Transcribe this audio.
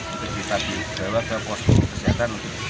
untuk bisa dibawa ke posko kesehatan